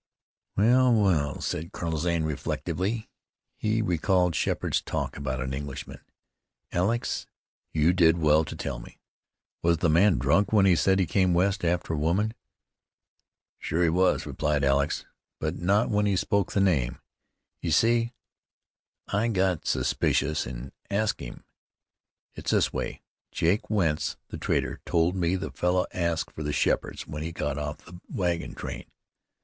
"Well, well," said Colonel Zane reflectively. He recalled Sheppard's talk about an Englishman. "Alex, you did well to tell me. Was the man drunk when he said he came west after a woman?" "Sure he was," replied Alex. "But not when he spoke the name. Ye see I got suspicious, an' asked about him. It's this way: Jake Wentz, the trader, told me the fellow asked for the Sheppards when he got off the wagon train.